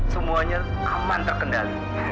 semuanya aman terkendali